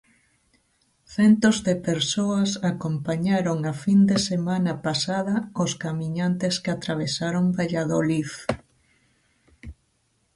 Centos de persoas acompañaron a fin de semana pasada aos camiñantes que atravesaron Valladolid.